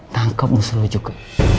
nangkep musuh lo juga